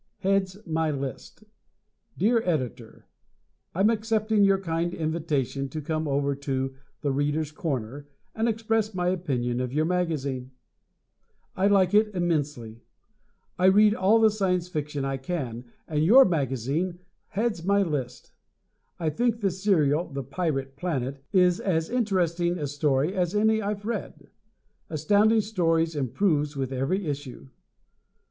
"Heads My List" Dear Editor: I'm accepting your kind invitation to come over to "The Readers' Corner" and express my opinion of your magazine. I like it immensely. I read all the Science Fiction I can, and your magazine heads my list. I think the serial "The Pirate Planet," is as interesting a story as any I've read. Astounding Stories improves with every issue.